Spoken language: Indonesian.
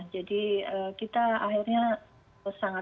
jadi kita akhirnya sangat berharga